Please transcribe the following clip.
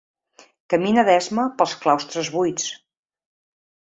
Camina d'esma pels claustres buits.